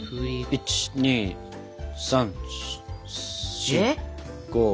１２３４５。